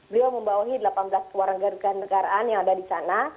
beliau membawahi delapan belas keluarga negaraan yang ada di sana